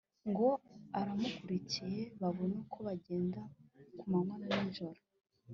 ngo abamurikire babone uko bagenda ku manywa na nijoro.